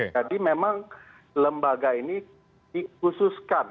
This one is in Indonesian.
jadi memang lembaga ini dikhususkan